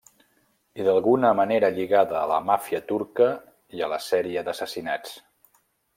I d'alguna manera lligada a la màfia turca i a la sèrie d'assassinats.